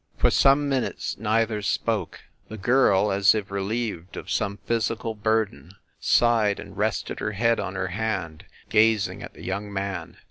For some minutes neither spoke. The girl, as if relieved of some physical burden, sighed, and rested her head on her hand, gazing at the young man.